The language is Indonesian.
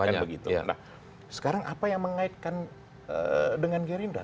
nah sekarang apa yang mengaitkan dengan gerindra